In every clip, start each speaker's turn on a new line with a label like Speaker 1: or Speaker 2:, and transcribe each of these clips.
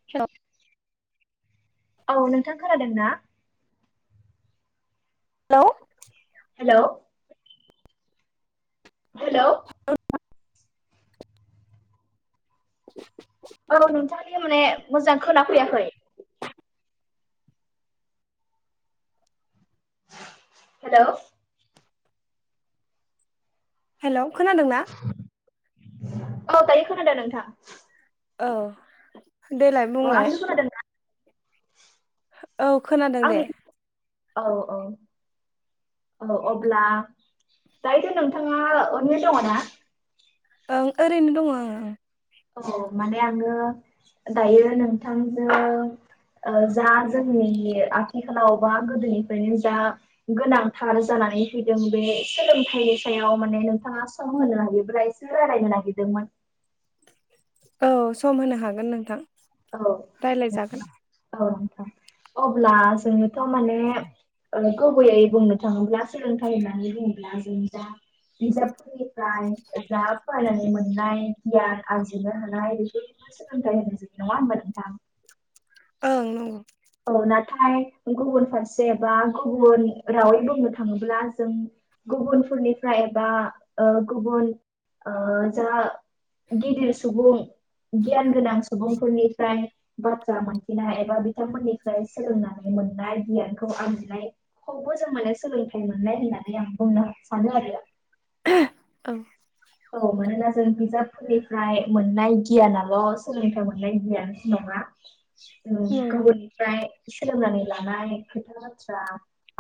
Speaker 1: [inaudible]
Speaker 2: औ नोंथां खोनादों ना?
Speaker 1: हेलौ
Speaker 2: हेलौ हेलौ
Speaker 1: [inaudible]
Speaker 2: औ नोंथांनि माने मोजां खोनाफैयाखै हेलौ
Speaker 1: हेलौ खोनादों ना?
Speaker 2: औ दायो खोनादों नोंथां।
Speaker 1: औ देलाय बुंलाय
Speaker 2: [unintelligible]
Speaker 1: औ खोनादों दे।
Speaker 2: आंनि औ औ औ अब्ला दायोथ' नोंथांङा अरैनो दंङ ना?
Speaker 1: ओं ओरैनो दंङ आं ओं
Speaker 2: औ माने आंङो दायो नोंथांजों ओ जा जोंनि आथिखालाव बा गोदोनिफ्रायनो जा गोनांथार जानानै फैदों बे सोलोंथाइनि सायाव माने नोंथाङा सम होनो हायोबाय जिराराय नागदोंमोन-
Speaker 1: औ सम होनो हागोन नोंथां।
Speaker 2: औ
Speaker 1: रायलायजागोन
Speaker 2: औ नोंथां अब्ला जोङोथ' माने गुबैयै बुंनो थाङोब्ला सोलोंथाइ होननानै बुङोब्ला जों जा बिजाबफोरनि जा फरायनानै मोननाय गियान आरजिनो हानाय बे सोलोंथाइ होन ज नंङा होनबा नोंथां?
Speaker 1: ओं नंगौ।
Speaker 2: औ नाथाय गुबुन फारसे बा गुबुन रावै बुंनो थाङोब्ला जों गुबुनफोरनिफ्राय बा गुबुन जा गिदिर सुबुं गियान गोनां सुबुंफोरनिफ्राय बाथ्रा मोनफिनाय एबा बिथांमोननिफ्राय सोलोंनानै मोननाय गियानखौ आंहाय हबो जों माने सोलोंथाइ मोननाय होननानै आं बुंनो सानो आरो।
Speaker 1: औ
Speaker 2: औ मानोना जों बिजाबफोरनिफ्राय मोननाय गियानाल' सोलोंथाइ मोननाय गियान नङा।
Speaker 1: नंगौ
Speaker 2: [unintelligible] ओमफ्राय सोलोंनानै लानाय खोथा बाथ्रा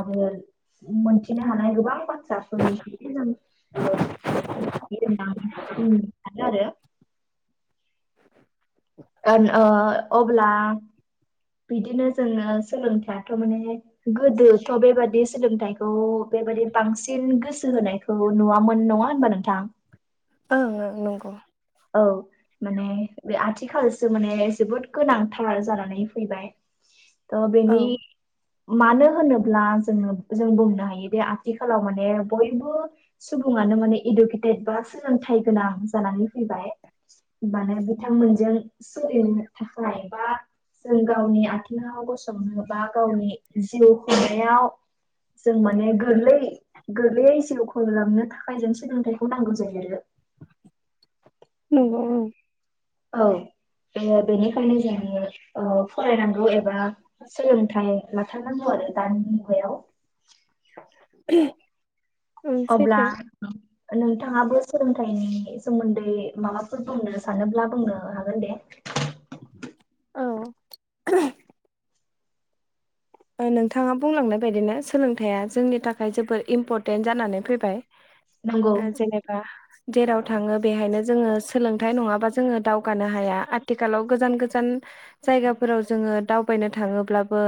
Speaker 2: आरो मोनथिनो हानाय गोबां बाथ्राफोरनि ओ [unintelligible] सानो आरो
Speaker 1: [inaudible]
Speaker 2: ओ ओंअबला बिदिनो जोङो सोलोंथायाथ' माने गोदोथ' बेबादि सोलोंथाइखौ बेबादि बांसिन गोसो होनायखौ नुवामोन नङा होनबा नोंथां?
Speaker 1: ओं ओं नंगौ।
Speaker 2: औ माने बे आथिखालसो माने जोबोद गोनांथार जानानै फैबाय। अ
Speaker 1: औ
Speaker 2: बेनि मानो होनोब्ला जोङो जों बुंनो हायोदि आथिखालाव माने बयबो सुबुङानो माने इदुकेटेद बा सोलोंथाइ गोनां जानानै फैबाय। माने बिथांमोनजों सोलिनो थाखाय बा जों गावनि आथिङाव गसंनो बा गावनि जिउ खुंनायाव जों माने गोरलै गोोरलै जिउखौनो थाखाय जों सोलोंथाइखौ नांगौ जायो आरो।
Speaker 1: नंगौ।
Speaker 2: औ बेनिखायनो जों औ फरायनांगौ एबा सोलोंथाइ लाथारनांगौ आरो दानि मुगायाव।
Speaker 1: [unintelligible] ओं
Speaker 2: अब्ला
Speaker 1: सैथो
Speaker 2: नोंथाङाबो सोलोंथाइनि सोमोन्दै माबाफोर बुंनो सानोब्ला बुंनो हागोन दे।
Speaker 1: औ। नोंथाङा बुंलांनाय बायदिनो सोलोंथाइ जोंनि थाखाय जोबोर इम्परटेन्ट जानानै फैबाय।
Speaker 2: [inaudible]
Speaker 1: आ जेनबा जेराव थाङो बेहायनो जोङो सोलोंथाइ नङाबा जोङो दावगानो हाया आथिखालाव गोजान गोजान जायगाफोराव जोङो दावबायनो थाङोब्लाबो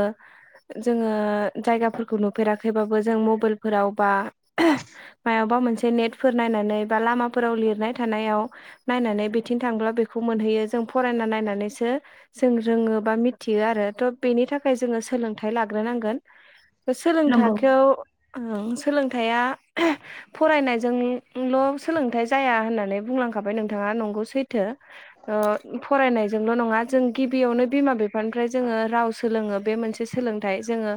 Speaker 1: जोङो जायगाफोरखौ नुफेराखैबाबो जों मबाइलफोराव बा मायावाबा मोनसे नेटफोर नायनानै बा लामाफोराव लिरनाय थानायाव नायनानै बिथिं थांब्ला बेखौ मोनहैयो जों फरायना नायनानैसो जों रोङो बा मिथियो आरो थ' बेनि थाखाय जोङो सोलोंथाइ लाग्रोनांगोन
Speaker 2: नंगौ
Speaker 1: सोलोंथखौआव ओं सोलोंथाइया फरायनायजोंल' सोलोंथाइ जाया होननानै बुंलांखाबाय नोंथाङा नंगौ सैथो। ओ फरायनायजोंल' नङा जों गिबियावनो बिमा बिफानिफ्राय जोङो राव सोलोङो बे मोनसे सोलोंथाइ जोङो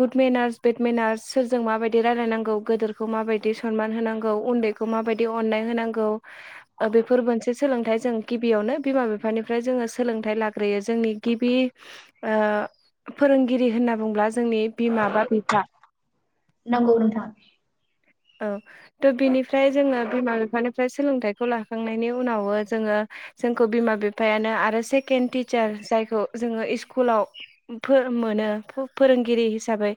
Speaker 1: गुड मेनार्स बेड मेनार्स सोरजों माबायदि रायलायनांगौ गोदोरखौ माबायदि सनमान होनांगौ उन्दै खौ माबायदि अननाय होनांगौ बेफोर मोनसे सोलोंथाइ जों गिबियावनो बिमा बिफानिफ्राय जोङो सोलोंथाइ लाग्रोयो जोंनि गिबि ओ फोरोंगिरि होनना बुङोब्ला जोंनि बिमा बा बिफा
Speaker 2: नंगौ नोथां।
Speaker 1: औ थ' बिनिफ्राय जोङो बिमा बिफानिफ्राय सोलोंथाइखौ लाखांनायनि उनावबो जोङो जोंखौ बिमा बिफायानो आरो सेकेण्ड टिचार जायखौ जोङो इस्कुलाव मोनो फोरोंगिरि हिसाबै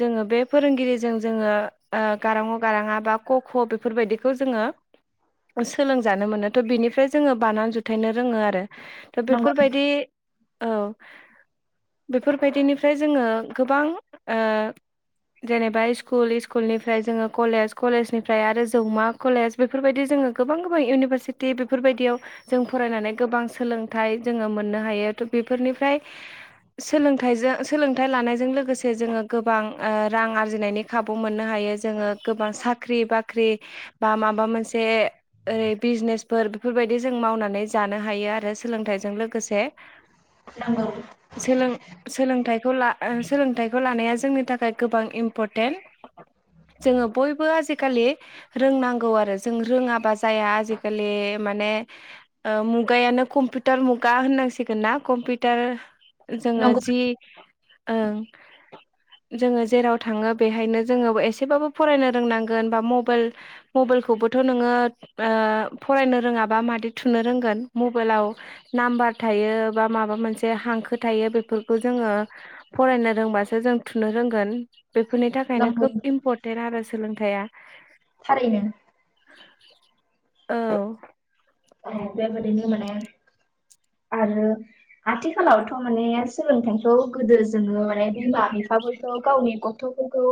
Speaker 1: जोङो बे फोरोंगिरिजों जोङो गारां अ गारां आ बा क ख बेफोरबायदिखौ जोङो सोलोंजानो मोनो थ' बिनिफ्राय जोङो बानान जुथायनो रोङो आरो दा
Speaker 2: नंगौ
Speaker 1: बेफोरबायदि औ बेफोरबायदिनिफ्राय जोङो गोबां ओ जेनेबा इस्कुल इस्कुल नि फ्राय जोङो कलेज कलेजनिफ्राय आरो जौमा कलेज बेफोरबायदि जोङो गोबां गोबां इउनिभारसिटि बेफोरबायदियाव जों फरायनानै गोबां सोलोंथाइ जोङो मोननो हायो थ' बेफोरनिफ्राय सोलोंथाइजों सोलोंथाइ लानायजों लोगोसे जोङो गोबां रां आरजिनायनि खाबु मोननो हायो जोङो गोबां साख्रि बाख्रि बा माबा मोनसे ओरै बिजनेसफोर बेफोरबायदि जों मावनानै जानो हायो आरो सोलोंथाइजों लोगोसे।
Speaker 2: नंगौ
Speaker 1: सोलों सोलोंथाइखौ ला-सोलोंथाइखौ लानाया जोंनि थाखाय गोबां इम्परटेन्ट। जोङो बयबो आजिखालि रोंनांगौ आरो जों रोङाबा जाया आजिखालि माने ओ मुगायानो कम्पिउटार मुगा होननांसिगोन ना कम्पिउटार जोङो
Speaker 2: नंगौ
Speaker 1: जि ओं जोङो जेराव थाङो बेहायनो जोङो ए सेबाबो फरायनो रोंनांगोन बा मबाइल मबाइलखौबोथ' नोङो ओ फरायनो रोङाबा मादि थुनो रोंगोन मबाइलाव नाम्बार थायो बा माबा मोनसे हांखो थायो बेफोरखौ जोङो फरायनो रोंबासो जों थुनो रोंगोन। बेफोरनि थाखायनो
Speaker 2: नंगौ
Speaker 1: खोब इम्परटेन्ट आरो सोलोंथाइया
Speaker 2: थारैनो
Speaker 1: औ
Speaker 2: औ बेबायाददिनो माने आरो आथिखालावथ' माने सोलोंथाइखौ गोदो जोङो माने बिमा बिफाफोरखौ गावनि ग थ'फोरखौ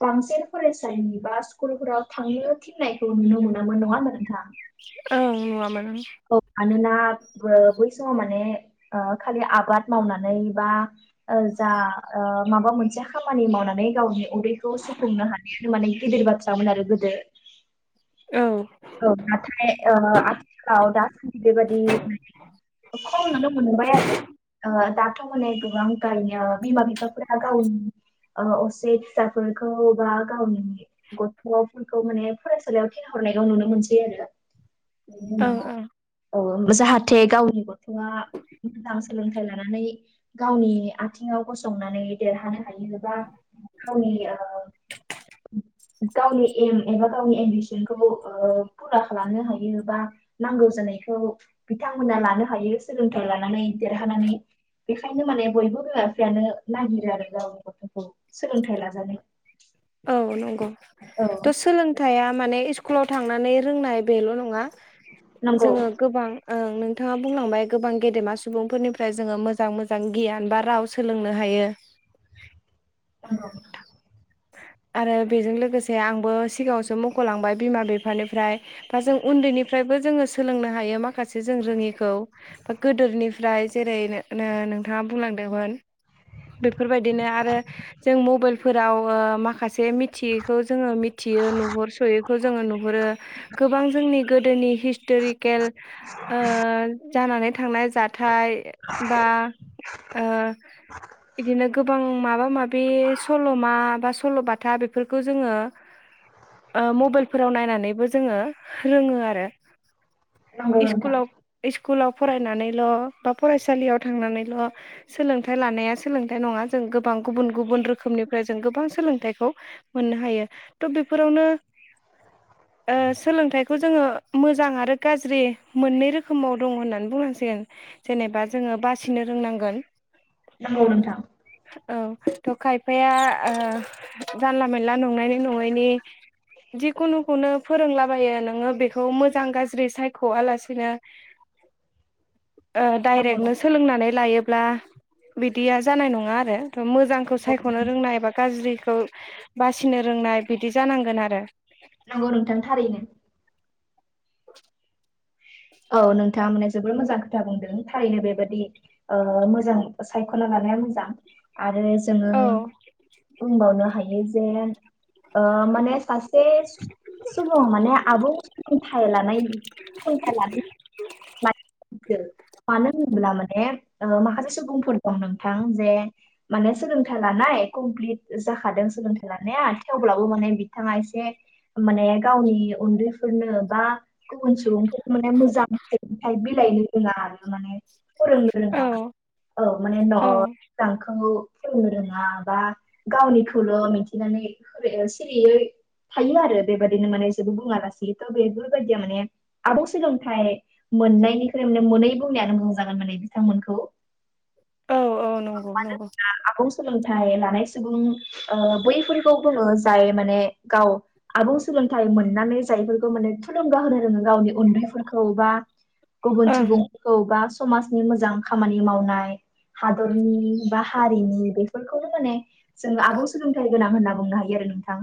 Speaker 2: बांसिन फरायसालिनि बा स्कुलफोराव थांनो थिननायखौ नुनो मोनामोन नङा होनबा नोंथां?
Speaker 1: औ नुवामोन।
Speaker 2: औ मानोना बै समाव माने ओ खालि आबाद मावनानै बा ओ जा ओ माबा मोनसे खामानि मावनानै गावनि उदैखौ सुफुंनो हानाय माने गिदिर बाथ्रामोन आरो गोदो।
Speaker 1: औ
Speaker 2: औ नाथाय ओ आथिखालाव दासान्दि बेबायदि खम नुनो मोनबाय आरो ओ दा थ' माने गोबां गायनो बिमा बिफाफोरा गावनि ओ असे फिसाफोरखौ बा गावनि गथ'फोरखौ माने फरायसालियाव थिनहरनाय खौ नुनो मोनसै आरो दा बेनि
Speaker 1: ओं ओं
Speaker 2: उनाव औ जाहाथे गावनि गथ'आ मोजां सोलोंथाइ लानानै गावनि आथिङाव गसंनानै देरहानो हायोबा गावनि ओ गावनि एम एबा गावनि एम्बिसनखौ ओ फुरा खालामनो हायो बा नांगौ जानायखौ बिथांमोना लानो हायो सोलोंथाइ लानानै देरहानानै। बेखायनो माने बयबो बिमा बिफायानो नागिरो आरो गावनि गथ'खौ सोलोंथाइ लाजानो।
Speaker 1: औ नंगौ।
Speaker 2: औ।
Speaker 1: थ' सोलोंथाइया माने स्कुलाव थांनानै रोंनाय बेल' नङा
Speaker 2: नंगौ
Speaker 1: जोङो गोबां ओं नोंथाङा बुंलांबाय गोबां गेदेमा सुबुंफोरनिफ्राय जोङो मोजां मोजां गियान बा राव सोलोंनो हायो।
Speaker 2: औ।
Speaker 1: आरो बेजों लोगोसे आंबो सिगाङावसो मख'लांबाय बिमा बिफानिफ्राय बा जों उन्दैनिफ्रायबो जोङो सोलोंनो हायो माखासे जों रोङिखौ। बा गोदोनिफ्राय जेरै नों नोंथाङा बुंलांदोंमोन बेफोरबायदिनो आरो जों मबाइलफोराव ओ माखासे मिथियै खौ जोङो मिथियो नुहरसयैखौ जोङो नुहुरो गोबां जोंनि गोदोनि हिस्ट'रिकेल ओ जानानै थांनाय जाथाय बा ओ बिदिनो गोबां माबा मा बे सल'मा बा सल'बाथा बेफोरखौ जोङो ओ मबाइलफोराव नायनानैबो जोङो रोङो आरो।
Speaker 2: नंगौ नोंथां
Speaker 1: स्कुलाव स्कुलाव फरायनानैल' बा फरायसालियाव थांनानैल' सोलोंथाइ लानाया सोलोंथाइ नङा जों गोबां गुबुन गुबुन रोखोमनिफ्राय जों गोबां सोलोंथाइखौ मोननो हायो थ' बेफोरावनो
Speaker 2: [inaudible]
Speaker 1: ओ सोलोंथाइखौ जोङो मोजां आरो गाज्रि मोननै रोखोमाव दङ होननानै बुंनांसिगोन। जेनेबा जोङो बासिनो रोंनांगोन।
Speaker 2: नंगौ नोंथां।
Speaker 1: औ थ' खायफाया ओ जानला मोनला नंनायनि नंयैनि जिखुनुखौनो फोरोंलाबायो नोङो बेखौ मोजां गाज्रि सायख'लासिनो
Speaker 2: [inaudible]
Speaker 1: ओ
Speaker 2: नंगौ
Speaker 1: डाइरेक्टनो सोलोंनानै लायोब्ला बिदिया जानाय नङा आरो' मोजांखौ
Speaker 2: नंगौ
Speaker 1: सायख'नो रोंनाय एबा गाज्रि खौ बासिनो रोंनाय बिदि जानांगोन आरो।
Speaker 2: नंगौ नोंथां थारैनो। औ नोंथाङा माने जोबोर मोजां खोथा बुंदों थारैनो बेबादि ओ मोजां सायख'ना लानाया मोजां। आरो जोङो
Speaker 1: औ
Speaker 2: बुंबावनो हायो जे ओ माने सा से सुबुं माने आबुं सोलोंथाइ लानायनि
Speaker 1: [inaudible]
Speaker 2: [unintelligible] मानो होनोब्ला माने ओ माखासे सुबुंफोर दं नोंथां जे माने सोलोंथाइ लानाय कमप्लिट जाखादों सोलोंथाइ लानाया थेवब्लाबो माने बिथाङा एसे माने गावनि उन्दैफोरनो बा गुबुन सुबुंफोर माने मोजां सोलोंथाइ बिलायनो रोङा आरो माने। फोरोंनो [unintelligible]
Speaker 1: औ
Speaker 2: औ माने न'
Speaker 1: औ
Speaker 2: [unintelligible] फोरोंनो रोङा बा गावनिखौल' मिन्थिनानै सिरियै थायो आरो बेबायदिनो माने जेबो बुङा लासि थ' बेफोरबायदिया माने आबुं सोलोंथाइ मोननायनिख्रुइ माने मोनै बुंनायानो मोजां जागोन माने बिथांमोनखौ
Speaker 1: औ औ नंगौ नंगौ
Speaker 2: आबुं सोलोंथाइ लानाय सुबुं ओ बैफोरखौ बुङो जाय माने गाव आबुं सोलोंथाइ मोननानै जायफोरखौ माने थुलुंगा होनो रोङो गावनि उन्दैफोरखौ बा गुबुन
Speaker 1: ओं
Speaker 2: सुबुंखौ बा समाजनि मोजां खामानि मावनाय हादरनि बा हारिनि बेफोरखौनो माने जों आबुं सोलोंथाइ गोनां होनना बुंनो हायो आरो नोंथां।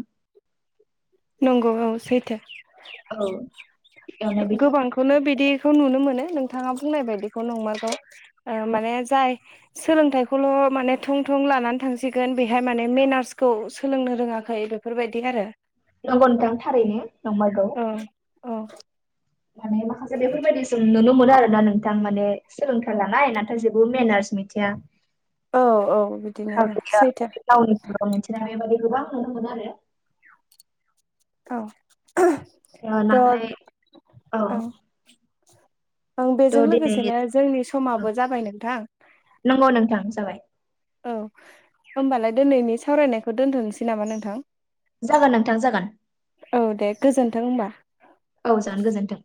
Speaker 1: नंगौ औ सैथो
Speaker 2: औ
Speaker 1: गोबां बेखौनो बिदिखौ नुनो मोनो नोंथाङा बुंनाय बायदिखौ नंमारगौ माने जाय सोलोंथाइखौल' माने थं थं लानानै थांसिगोन बेहाय माने मेनार्सखौ सोलोंनो रोङाखै बेफोरबायदि आरो
Speaker 2: नंगौ नोंथां थारैनो नंमाइगौ
Speaker 1: ओ अ
Speaker 2: माने माखासे बेफोरबायदि जों नुनो मोनो आरोना नोंथां। माने सोलोंथाइ लानाय नाथाय जेबो मेनार्स नि
Speaker 1: औ औ बिदिनो सैथो
Speaker 2: [unintelligible] मिथिनानै बेबायदि गोबां नुनो मोनो आरो।
Speaker 1: औ [unintelligible]
Speaker 2: ओ
Speaker 1: थ'
Speaker 2: नाथाय औ
Speaker 1: ओं ओं
Speaker 2: थ'
Speaker 1: बेजों
Speaker 2: दिनै
Speaker 1: लोगोसेनो जोंनि समाबो जाबाय नोंथां
Speaker 2: नंगौ नोंथां जाबाय
Speaker 1: औ होमबालाय दिनैनि सावरायनायखौ दोनथ'नोसै नामा नोंथां!
Speaker 2: जागोन नोंथां जागोन
Speaker 1: औ दे गोजोन्थों होनबा
Speaker 2: औ जागोन गोजोन्थों